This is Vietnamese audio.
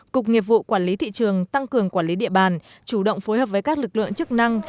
cục nghiệp vụ quản lý thị trường tăng cường quản lý địa bàn chủ động phối hợp với các lực lượng chức năng